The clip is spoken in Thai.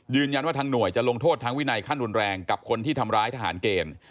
ทางหน่วยจะลงโทษทางวินัยขั้นรุนแรงกับคนที่ทำร้ายทหารเกณฑ์